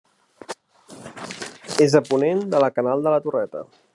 És a ponent de la Canal de la Torreta.